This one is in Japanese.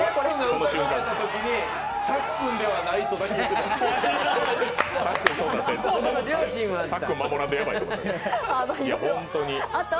さっくんではないとだけ言ってた。